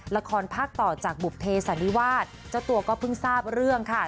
ละครภาคต่อจากบุภเพสันนิวาสเจ้าตัวก็เพิ่งทราบเรื่องค่ะ